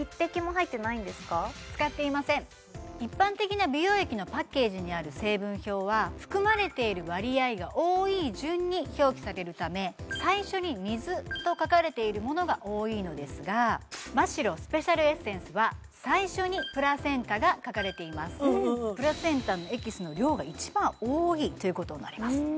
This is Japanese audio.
一般的な美容液のパッケージにある成分表は含まれている割合が多い順に表記されるため最初に「水」と書かれているものが多いのですがマ・シロスペシャルエッセンスは最初に「プラセンタ」が書かれていますということになります